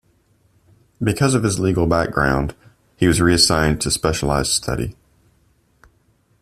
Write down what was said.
Because of his legal background he was reassigned to specialized study.